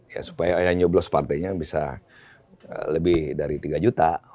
ya supaya yang nyoblos partainya bisa lebih dari tiga juta